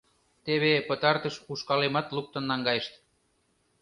Теве пытартыш ушкалемат луктын наҥгайышт.